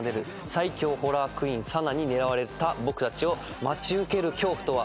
最狂ホラークイーンさなに狙われた僕たちを待ち受ける恐怖とは？